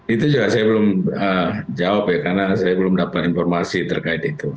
itu juga saya belum jawab ya karena saya belum dapat informasi terkait itu